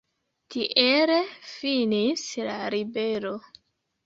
Tiele finis la ribelo.